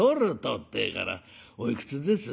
ってえから「おいくつです？」。